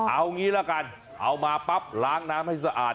เอางี้ละกันเอามาปั๊บล้างน้ำให้สะอาด